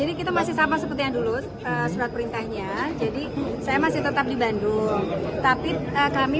saya masih sama sama dengan dulu supreme jadi kang emil juga masih di dki jakarta